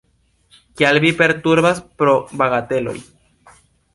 Kial vi perturbas pro bagateloj?